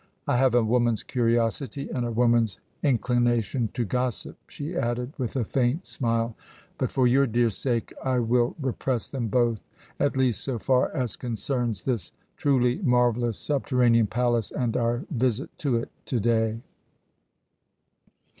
I have a woman's curiosity and a woman's inclination to gossip," she added, with a faint smile, "but for your dear sake I will repress them both, at least, so far as concerns this truly marvellous subterranean palace and our visit to it to day!"